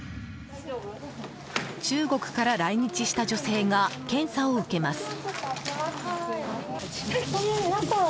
中国から来日した女性が検査を受けます。